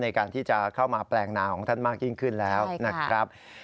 ในการที่จะเข้ามาแปลงนาของท่านมากยิ่งขึ้นแล้วนะครับ